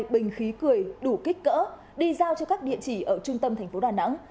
một bình khí cười đủ kích cỡ đi giao cho các địa chỉ ở trung tâm thành phố đà nẵng